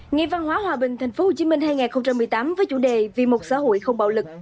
ngày văn hóa hòa bình tp hcm hai nghìn một mươi tám với chủ đề vì một xã hội không bạo lực